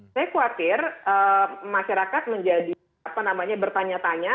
saya khawatir masyarakat menjadi bertanya tanya